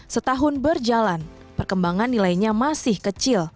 setahun berjalan perkembangan nilainya masih kecil